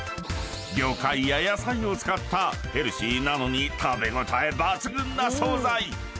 ［魚介や野菜を使ったヘルシーなのに食べ応え抜群な惣菜］